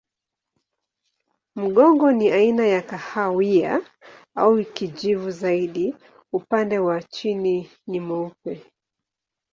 Mgongo ni aina ya kahawia au kijivu zaidi, upande wa chini ni mweupe.